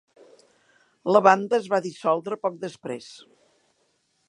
La banda es va dissoldre poc després.